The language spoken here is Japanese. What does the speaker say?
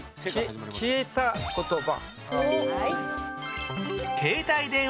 消えた言葉。